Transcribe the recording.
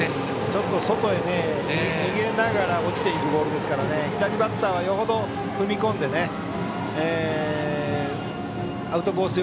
ちょっと外へ逃げながら落ちていくボールなので左バッターは、よほど踏み込んでアウトコース